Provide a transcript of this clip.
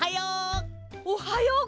おはよう！